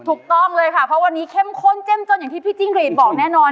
ถูกต้องเลยค่ะเพราะวันนี้เข้มข้นเจ้มจนอย่างที่พี่จิ้งรีดบอกแน่นอน